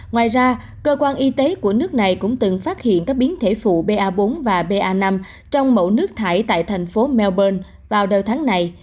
ngoài ra cơ quan y tế của nước này cũng từng phát hiện các biến thể phụ ba bốn và ba năm trong mẫu nước thải tại thành phố melbourne vào đầu tháng này